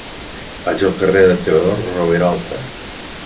Vaig al carrer de Teodor Roviralta.